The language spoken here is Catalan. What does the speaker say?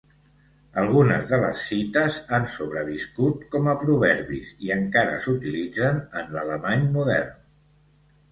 Algunes de les cites han sobreviscut com a proverbis i encara s'utilitzen en l'alemany modern.